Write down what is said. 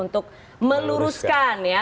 untuk meluruskan ya